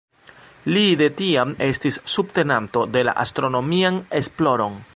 Li de tiam estis subtenanto de la astronomian esploron.